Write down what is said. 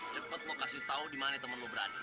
cepet lo kasih tau dimana temen lo berada